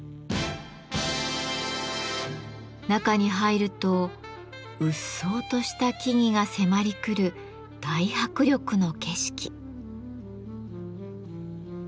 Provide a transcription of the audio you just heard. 中に入るとうっそうとした木々が迫り来る大迫力の景色。